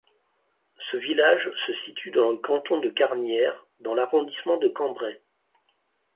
Ce village se situe dans le canton de Carnières, dans l'arrondissement de Cambrai.